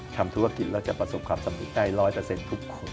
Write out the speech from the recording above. ทำธุรกิจแล้วจะประสบความสำเร็จได้๑๐๐ทุกคน